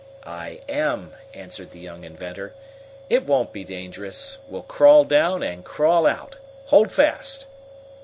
"I am," answered the young inventor. "It won't be dangerous. We'll crawl down and crawl out. Hold fast!"